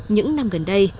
những năm gần đây